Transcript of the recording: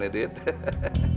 ya bisa dibilang begitu om